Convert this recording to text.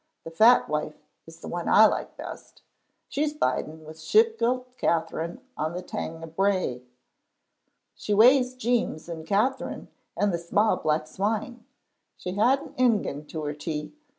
The Fat Wife is the one I like best. She's biding wi' Shilpit Kaytherine on the Tanage Brae. She weighs Jeems and Kaytherine and the sma' black swine. She had an ingin to her tea.